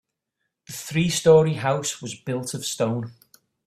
The three story house was built of stone.